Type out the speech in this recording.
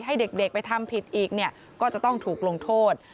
ให้เด็กไปทำผิดอีกเนี่ยก็จะต้องถูกลงโทษ